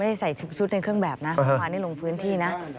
ไม่ได้ใส่ชุดในเครื่องแบบนะเพราะว่านี้ลงพื้นที่นะ